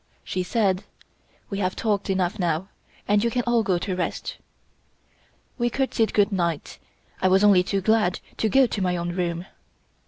She said: "We have talked enough now, and you can all go to rest." We courtesied good night. I was only too glad to go to my own room.